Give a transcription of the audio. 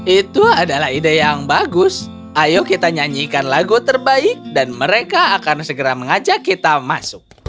itu adalah ide yang bagus ayo kita nyanyikan lagu terbaik dan mereka akan segera mengajak kita masuk